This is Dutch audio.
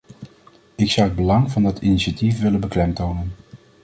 Ik zou het belang van dat initiatief willen beklemtonen.